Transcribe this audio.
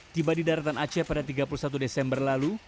tiba di daratan aceh pada tiga puluh satu desember lalu